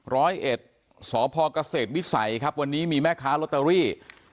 ร้อยเอ็ดสพเกษตรวิสัยครับวันนี้มีแม่ค้าลอตเตอรี่